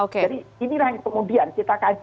jadi inilah yang kemudian kita kaji